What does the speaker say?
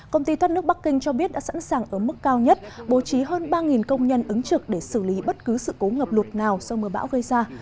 công ty thoát nước bắc kinh cho biết đã sẵn sàng ở mức cao nhất bố trí hơn ba công nhân ứng trực để xử lý bất cứ sự cố ngập lụt nào do mưa bão gây ra